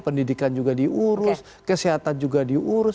pendidikan juga diurus kesehatan juga diurus